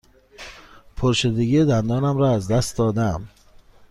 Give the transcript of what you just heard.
پرشدگی دندانم را از دست داده ام.